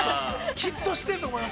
◆きっとしてると思います。